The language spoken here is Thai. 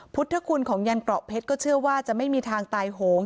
พุทธคุณของยันเกราะเพชรก็เชื่อว่าจะไม่มีทางตายโหง